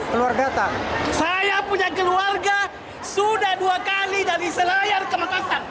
keluarga tak saya punya keluarga sudah dua kali dari selayar ke makassar